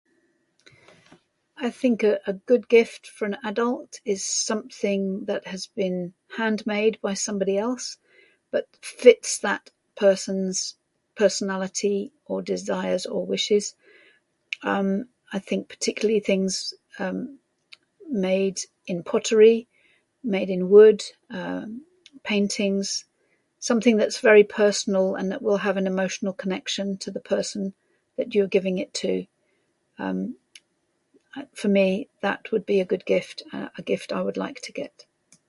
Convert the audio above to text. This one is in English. I think a a good gift for an adult is something that has been handmade by somebody else, that fits that person's personality, or desires, or wishes. Um, I think, particularly, things, um, made in pottery, made in wood, um, paintings, something that's very personal and that will have an emotional connection to the person that you're giving it to. Um, for me, that would be a good gift, uh, a gift I would like to get.